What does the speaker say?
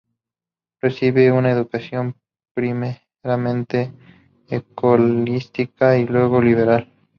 Recibió una educación primeramente escolástica y luego liberal.